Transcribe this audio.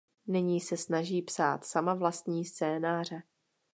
Nyní se snaží psát sama vlastní scénáře.